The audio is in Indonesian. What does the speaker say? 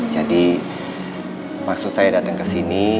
jadi maksud saya datang ke sini